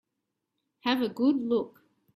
Have a good look.